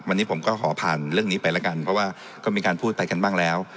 วันนี้ผมก็ขอผ่านเรื่องนี้ไปแล้วกันเพราะว่าก็มีการพูดไปกันบ้างแล้ว